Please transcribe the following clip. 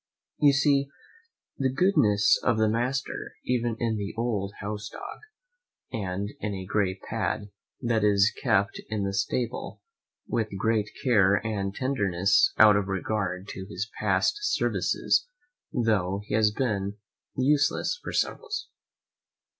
You see the goodness of the master even in the old house dog, and in a gray pad that is kept in the stable with great care and tenderness out of regard to his past services, tho' he has been useless for several years.